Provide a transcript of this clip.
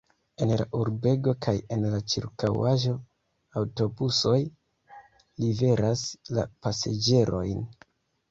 En la urbego kaj en la ĉirkaŭaĵo aŭtobusoj liveras la pasaĝerojn.